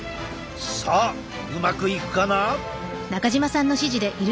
さあうまくいくかな？